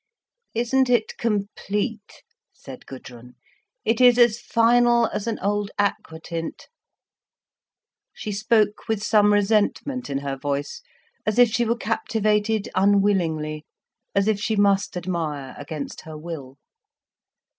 "Isn't it complete!" said Gudrun. "It is as final as an old aquatint." She spoke with some resentment in her voice, as if she were captivated unwillingly, as if she must admire against her will.